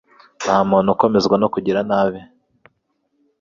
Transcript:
Nta muntu ukomezwa no kugira nabi